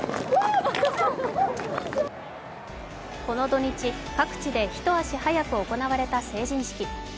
この土日、各地で一足早く行われた成人式。